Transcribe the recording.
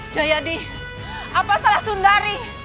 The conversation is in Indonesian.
jayadi apa salah sundari